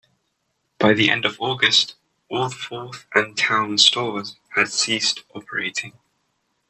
By the end of August, all Forth and Towne stores had ceased operating.